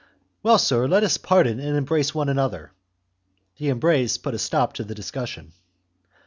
"Well, sir, let us pardon and embrace one another!" The embrace put a stop to the discussion.